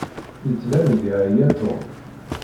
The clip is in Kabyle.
Yettban-d yeɛya Tom.